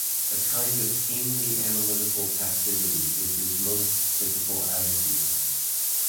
A kind of keenly analytical passivity is his most typical attitude.